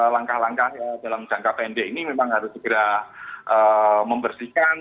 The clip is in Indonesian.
langkah langkah dalam jangka pendek ini memang harus segera membersihkan